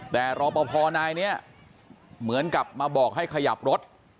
แต่รอปภนายนี้เหมือนกับมาบอกให้ขยับรถ